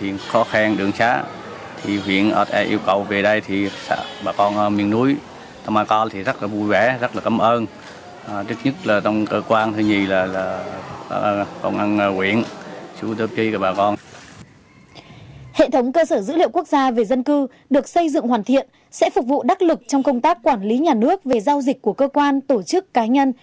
hệ thống cơ sở dữ liệu quốc gia về dân cư được xây dựng hoàn thiện sẽ phục vụ đắc lực trong công tác quản lý nhà nước về giao dịch của cơ quan tổ chức cá nhân